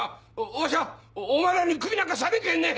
わしゃお前らにクビなんかされんけぇねぇ！